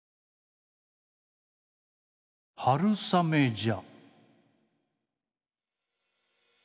「春雨じゃ」。